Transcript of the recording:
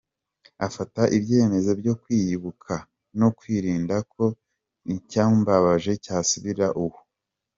afata ibyemezo byo kwiyubaka, no kwirinda ko icyamubabaje cyazasubira, uwo.